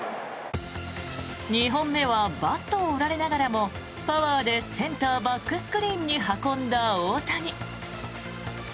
２本目はバットを折られながらもパワーでセンターバックスクリーンに運んだ大谷。